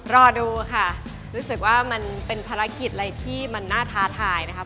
รอดูค่ะรู้สึกว่ามันเป็นภารกิจอะไรที่มันน่าท้าทายนะครับ